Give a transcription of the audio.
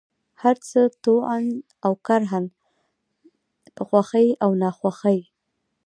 هرڅه، طوعا اوكرها ، په خوښۍ او ناخوښۍ،